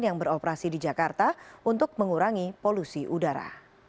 yang beroperasi di jakarta untuk mengurangi polusi udara